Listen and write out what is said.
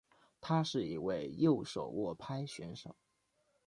他是一位右手握拍选手。